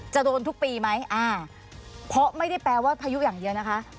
จะโดนทุกปีไหมอ่าเพราะไม่ได้แปลว่าพายุอย่างเดียวนะคะ